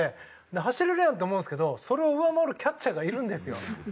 走れるやんと思うんですけどそれを上回るキャッチャーがいるんですよ。